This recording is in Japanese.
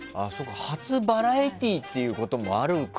初バラエティーということもあるか！